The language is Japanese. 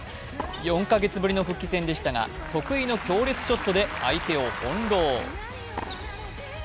４カ月ぶりの復帰戦でしたが、得意の強烈ショットで相手を翻弄。